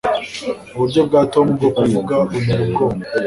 uburyo bwa tom bwo kuvuga buntera ubwoba